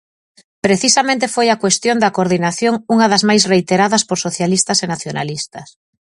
Precisamente foi a cuestión da coordinación unha das máis reiteradas por socialistas e nacionalistas.